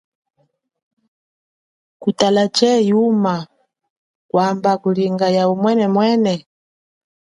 Kutala the, yuma wamba kulinga ya umwenemwene?